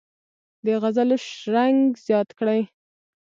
د غزلو شرنګ زیات کړي.